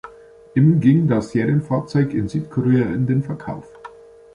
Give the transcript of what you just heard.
Im ging das Serienfahrzeug in Südkorea in den Verkauf.